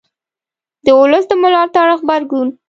د ولس د ملاتړ غبرګون